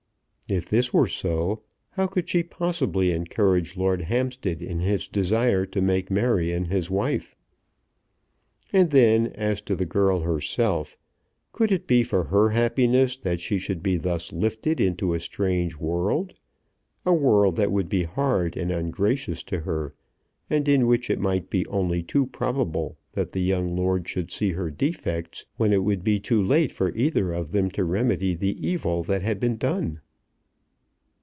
If this were so, how could she possibly encourage Lord Hampstead in his desire to make Marion his wife? And then, as to the girl herself, could it be for her happiness that she should be thus lifted into a strange world, a world that would be hard and ungracious to her, and in which it might be only too probable that the young lord should see her defects when it would be too late for either of them to remedy the evil that had been done?